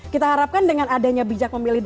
kita harapkan dengan adanya bijakmemilih id